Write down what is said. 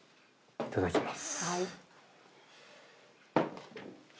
いただきます。